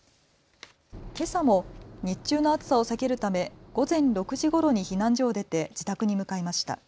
けさも日中の暑さを避けるため午前６時ごろに避難所を出て自宅に向かいました。